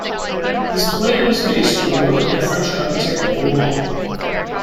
His plan was based on the work of the French architect Vauban.